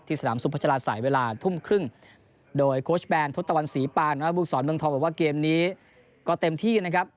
ที่สถานสุดพจราชสายเวลาทุ่มครึ่งโดยโค้ชแบรนด์ทศตวรรษศรีปานบุษรเมืองทองบอกว่าเกมนี้ก็เต็มที่นะครับ